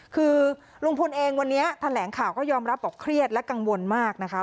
คือลุงพลเองวันนี้แถลงข่าวก็ยอมรับบอกเครียดและกังวลมากนะคะ